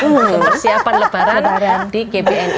mempersiapkan lebaran di gbni